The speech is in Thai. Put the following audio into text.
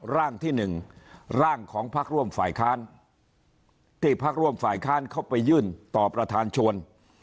ร่างที่๑ร่างของพักร่วมฝ่ายค้านที่พักร่วมฝ่ายค้านเขาไปยื่นต่อประธานชวน